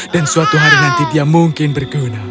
dan suatu hari nanti dia mungkin berguna